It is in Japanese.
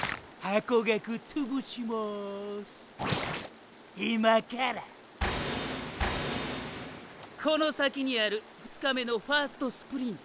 この先にある２日目のファーストスプリントリザルトライン